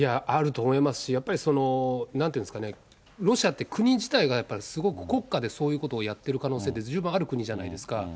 あると思いますし、やっぱりなんていうんですかね、ロシアって国自体がやっぱりすごく国家でそういうことをやってる可能性って、十分ある国じゃないですか。